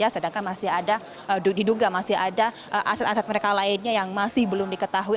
sedangkan masih ada diduga masih ada aset aset mereka lainnya yang masih belum diketahui